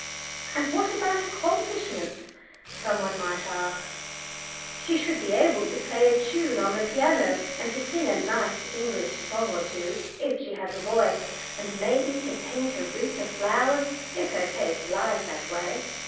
"And what about accomplishments?" some one might ask. "She should be able to play a tune on the piano, and to sing a nice English song or two if she has a voice, and maybe to paint a wreath of flowers if her taste lies that way.